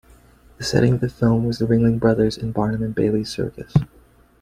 The setting of the film was the Ringling Brothers and Barnum and Bailey Circus.